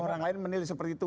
orang lain menilai seperti itu